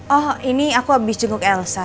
oh ini aku habis jenguk elsa